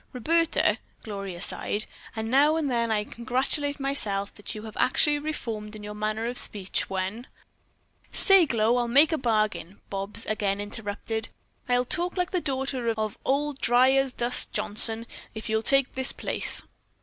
"Roberta," Gloria sighed, "now and then I congratulate myself that you have actually reformed in your manner of speech, when " "Say, Glow, I'll make a bargain," Bobs again interrupted. "I'll talk like the daughter of Old dry as dust Johnson, if you'll take this place.